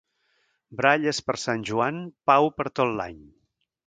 Baralles per Sant Joan, pau per tot l'any.